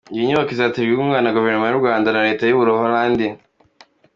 Iyi nyubako izaterwa inkunga na Guverinoma y’u Rwanda na Leta y’ u Buholandi.